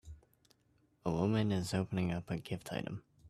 A woman is opening up a gift item